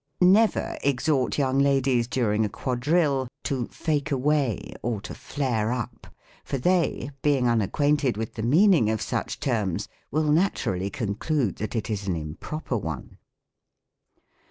Never exhort young ladies, duiing a quadrille, to " fake away," or to " flare up," for they, being unac quainted with the meaning of such terms, will natural ly conclude that it is an improper one.